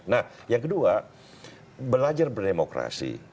nah yang kedua belajar berdemokrasi